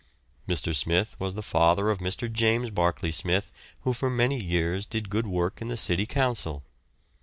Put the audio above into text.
Mr. Smith was the father of Mr. James Barkeley Smith, who for many years did good work in the City Council.